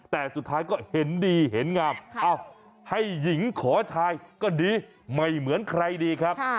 แต่สุดท้ายก็เห็นดีเห็นงามให้หญิงขอชายก็ดีไม่เหมือนใครดีครับ